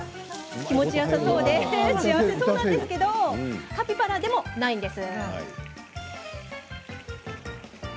気持ちよさそうで幸せそうだけどカピバラでもないんです。